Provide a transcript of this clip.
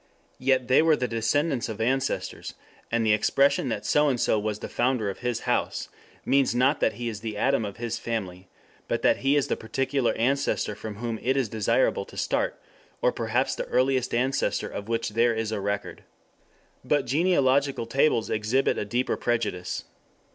Yet they were the descendants of ancestors, and the expression that So and So was the founder of his house means not that he is the Adam of his family, but that he is the particular ancestor from whom it is desirable to start, or perhaps the earliest ancestor of which there is a record. But genealogical tables exhibit a deeper prejudice.